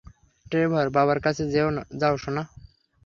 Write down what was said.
Trevor, বাবার কাছে যাও, সোনা।